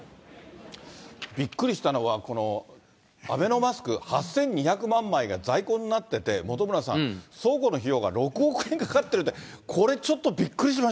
びっくりしたのは、このアベノマスク、８２００万枚が在庫になってて、本村さん、倉庫の費用が６億円かかってるって、これ、ちょっとびっくりしま